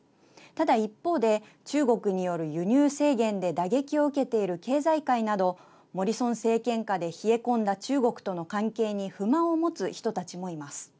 ただ一方で中国による輸入制限で打撃を受けている経済界などモリソン政権下で冷え込んだ中国との関係に不満を持つ人たちもいます。